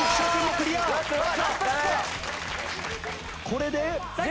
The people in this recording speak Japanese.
これで？